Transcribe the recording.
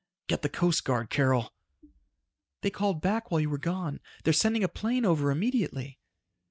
"Get the Coast Guard, Carol!" "They called back while you were gone. They're sending a plane over immediately."